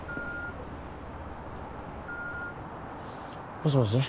もしもし？